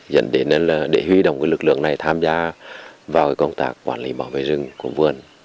dẫn đến là để huy động lực lượng này tham gia vào công tác quản lý bảo vệ rừng của vườn